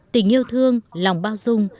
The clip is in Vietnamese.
tình yêu thương lòng bao dung